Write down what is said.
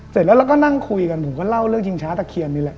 เสร็จแล้วเราก็นั่งคุยกันผมก็เล่าเรื่องชิงช้าตะเคียนนี่แหละ